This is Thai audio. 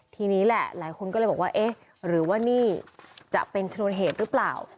ทีนี้แหละหลายคนก็เลยบอกว่าเอ๊ะหรือว่านี่จะเป็นชนวนเหตุหรือเปล่า